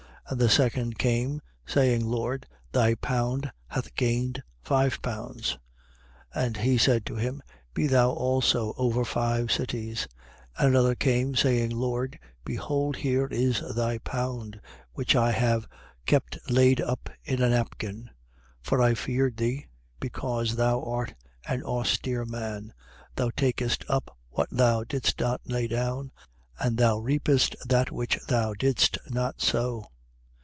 19:18. And the second came, saying: Lord, thy pound hath gained five pounds. 19:19. And he said to him: Be thou also over five cities. 19:20. And another came, saying: Lord, behold here is thy pound, which I have kept laid up in a napkin. 19:21. For I feared thee, because thou art an austere man: thou takest up what thou didst not lay down: and thou reapest that which thou didst not sow.